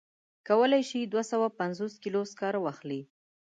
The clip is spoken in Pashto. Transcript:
کولای شي دوه سوه پنځوس کیلو سکاره واخلي.